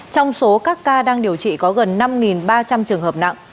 trong số các ca đang điều trị có gần năm ba trăm linh trường hợp nặng